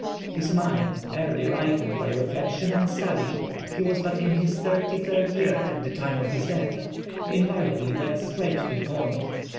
His mind, early ripened by reflection and study (he was but in his thirty third year at the time of his death), invariably went straight to the point.